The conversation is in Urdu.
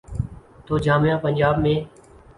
تو جامعہ پنجاب میں۔